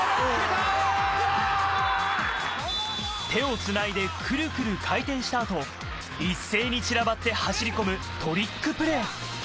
手をつないで、クルクル回転したあと、一斉に散らばって走り込むトリックプレー。